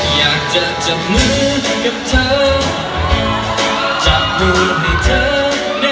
อยากจะจับมือกับเธอจับมือให้เธอ